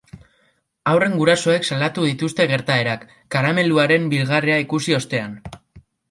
Haurren gurasoek salatu dituzte gertaerak, karameluaren bilgarria ikusi ostean.